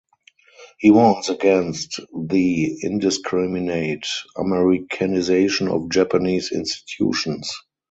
He warns against the indiscriminate Americanization of Japanese institutions.